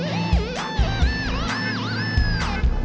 kedepannya rumors gini ginitoday